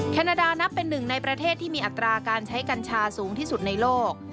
แคนาดานับเป็นหนึ่งในประเทศที่มีอัตราการใช้กัญชาสูงที่สุดในโลก